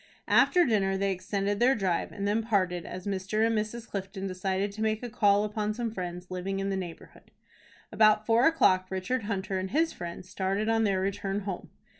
After dinner they extended their drive, and then parted, as Mr. and Mrs. Clifton decided to make a call upon some friends living in the neighborhood. About four o'clock Richard Hunter and his friends started on their return home.